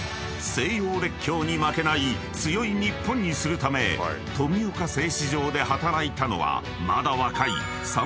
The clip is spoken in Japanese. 西洋列強に負けない強い日本にするため富岡製糸場で働いたのはまだ若い］